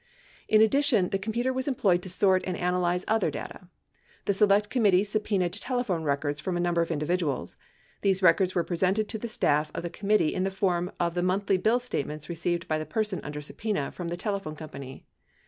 In addition, the computer was employed to sort and analyze other data. The Select Committee subpenaed telephone records from a num ber of individuals. These records wore presented to the staff of the committee in the form of the monthly bill statements received by the person under sub pen a from the telephone company.